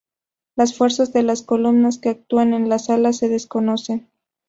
Las fuerzas de las columnas que actúan en las alas se desconocen.